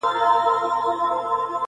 خو اوس د اوښكو سپين ځنځير پر مخ گنډلی~